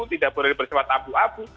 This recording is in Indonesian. tidak boleh bersifat abu abu